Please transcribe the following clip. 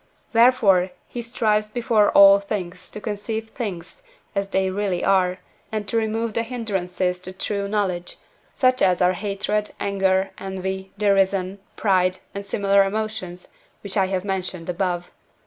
Wherefore he strives before all things to conceive things as they really are, and to remove the hindrances to true knowledge, such as are hatred, anger, envy, derision, pride, and similar emotions, which I have mentioned above.